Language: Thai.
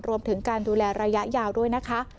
รวมถึงการดูแลระยะยาวด้วยนะคะ